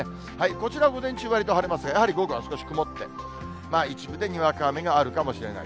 こちら、午前中はわりと晴れますが、やはり午後は少し曇って、一部でにわか雨があるかもしれない。